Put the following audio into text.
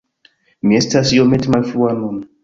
Mi estas iomete malfrua nun.